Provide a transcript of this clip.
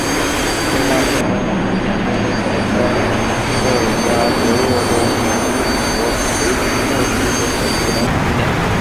洛巴金农村居民点是俄罗斯联邦伏尔加格勒州苏罗维基诺区所属的一个农村居民点。